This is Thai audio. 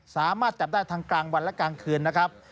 สามารถจับได้ทั้งกลางวันและกลางคืนนะครับ